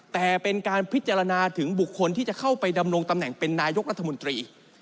แต่เป็นการพิจารณาถึงบุคคลที่จะเข้าไปดำรงตำแหน่งเป็นนายกรัฐมนตรี